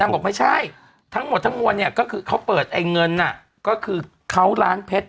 บอกไม่ใช่ทั้งหมดทั้งมวลเนี่ยก็คือเขาเปิดไอ้เงินน่ะก็คือเขาล้านเพชร